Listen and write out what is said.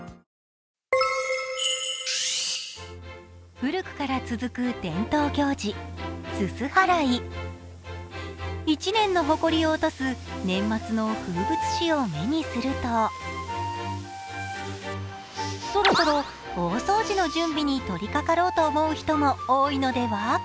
古くから続く伝統行事、すす払い１年のほこりを落とす年末の風物詩を目にするとそろそろ大掃除の準備に取りかかろうと思う人も多いのでは？